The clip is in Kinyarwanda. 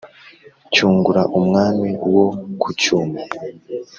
cyungura umwami wo ku cyuma